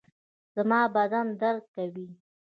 زما بدن درد کوي